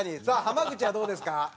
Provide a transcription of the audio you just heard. さあ濱口はどうですか？